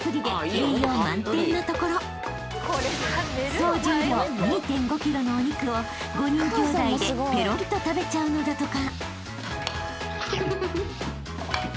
［総重量２．５ｋｇのお肉を５人兄弟でぺろりと食べちゃうのだとか］